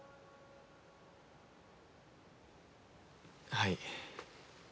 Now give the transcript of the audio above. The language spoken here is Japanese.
はい。